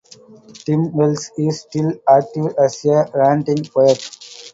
Tim Wells is still active as a ranting poet.